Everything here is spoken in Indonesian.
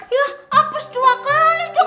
ya apes dua kali dong